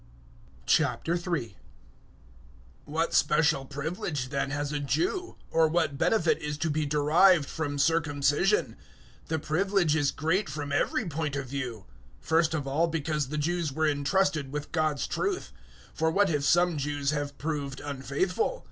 003:001 What special privilege, then, has a Jew? Or what benefit is to be derived from circumcision? 003:002 The privilege is great from every point of view. First of all, because the Jews were entrusted with God's truth. 003:003 For what if some Jews have proved unfaithful?